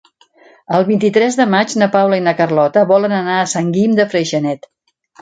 El vint-i-tres de maig na Paula i na Carlota volen anar a Sant Guim de Freixenet.